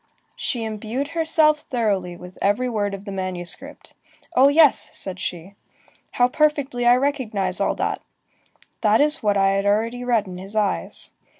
She imbued herself thoroughly with every word of the manuscript: "Oh yes!" said she, "how perfectly I recognize all that! That is what I had already read in his eyes."